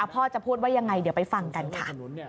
พ่อจะพูดว่ายังไงเดี๋ยวไปฟังกันค่ะ